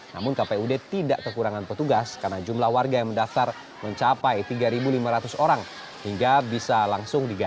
namun kpud tidak kekurangan petugas karena jumlah warga yang mendaftar mencapai rp tiga